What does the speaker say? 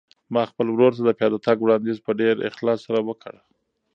ما خپل ورور ته د پیاده تګ وړاندیز په ډېر اخلاص سره وکړ.